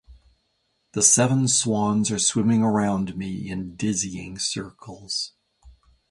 The seven swans are swimming around me in dizzying circles.